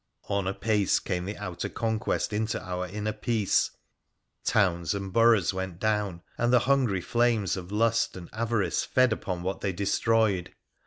On apace came the outer conquest into our inner peace. Towns and burghs went down, and the hungry flames of lust and avarice fed upon what they destroyed.